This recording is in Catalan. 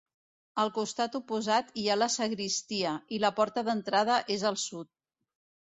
Al costat oposat hi ha la sagristia, i la porta d'entrada és al sud.